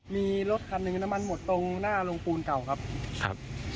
มีรถคันหนึ่งน้ำมันหมดตรงหน้าโรงปูนเก่าครับครับ